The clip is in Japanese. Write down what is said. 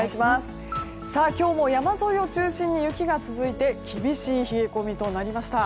今日も山沿いを中心に雪が続いて厳しい冷え込みとなりました。